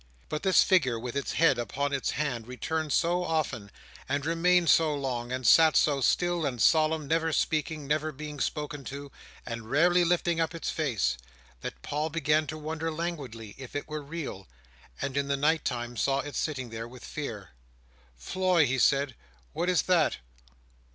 But this figure with its head upon its hand returned so often, and remained so long, and sat so still and solemn, never speaking, never being spoken to, and rarely lifting up its face, that Paul began to wonder languidly, if it were real; and in the night time saw it sitting there, with fear. "Floy!" he said. "What is that?"